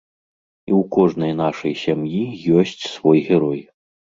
І ў кожнай нашай сям'і ёсць свой герой.